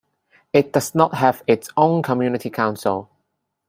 It does not have its own community council.